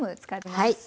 はい。